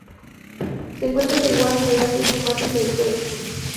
Se encuentra en Taiwán Malasia Sumatra y la isla de Sunda.